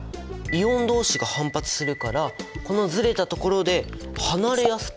イオンどうしが反発するからこのずれたところで離れやすくなった。